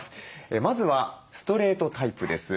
まずはストレートタイプです。